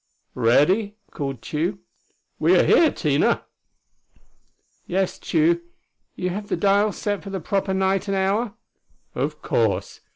"Ready?" called Tugh. "We are here, Tina." "Yes, Tugh. You have the dial set for the proper night and hour?" "Of course.